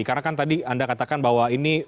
karena kan tadi anda katakan bahwa ini